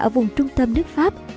ở vùng trung tâm nước pháp